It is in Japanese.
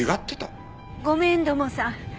ごめん土門さん！